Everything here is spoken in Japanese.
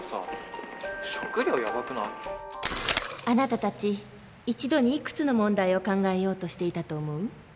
あなたたち一度にいくつの問題を考えようとしていたと思う？